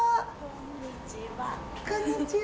こんにちは。